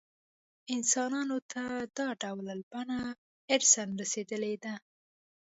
انسانانو ته دا ډول بڼه ارثاً رسېدلې ده.